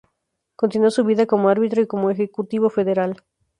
Continuó su vida como árbitro y como ejecutivo federal.